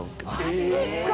マジっすか？